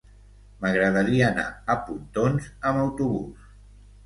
M'agradaria anar a Pontons amb autobús.